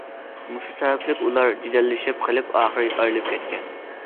مۇشۇ سەۋەبلىك ئۇلار جېدەللىشىپ قېلىپ ئاخىرى ئايرىلىپ كەتكەن.